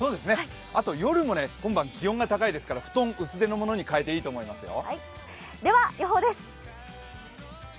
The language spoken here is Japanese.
あと夜も、今晩、気温が高いですから、布団薄手のものに替えてもいいですよ。